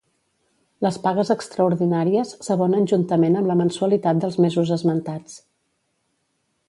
Les pagues extraordinàries s'abonen juntament amb la mensualitat dels mesos esmentats.